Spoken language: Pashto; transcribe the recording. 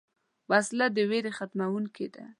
وسله د ویرې خپرونکې ده